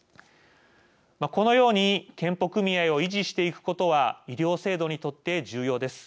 このように健保組合を維持していくことは医療制度にとって重要です。